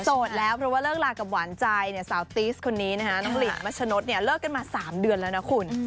แล้วเพราะว่าเลิกลากับหวานใจเนี่ยสาวตีสคนนี้นะฮะน้องหลินมัชนดเนี่ยเลิกกันมา๓เดือนแล้วนะคุณ